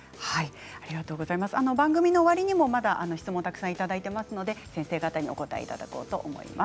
番組の終わりにもまだ質問たくさんいただいていますので先生方にお答えいただこうと思います。